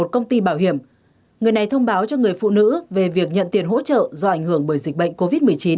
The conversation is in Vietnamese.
một công ty bảo hiểm người này thông báo cho người phụ nữ về việc nhận tiền hỗ trợ do ảnh hưởng bởi dịch bệnh covid một mươi chín